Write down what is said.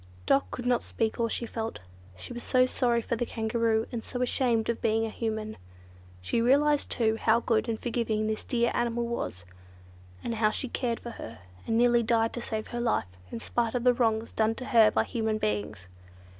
Dot could not speak all she felt. She was so sorry for the Kangaroo, and so ashamed of being a Human. She realised too, how good and forgiving this dear animal was; how she had cared for her, and nearly died to save her life, in spite of the wrongs done to her by human beings.